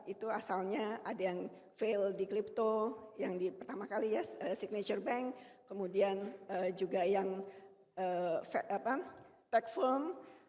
itu asalnya ada yang fail di crypto yang pertama kali ya signature bank kemudian juga yang tech firm